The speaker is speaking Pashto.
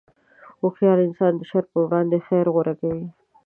هوښیار انسان د شر پر وړاندې خیر غوره کوي.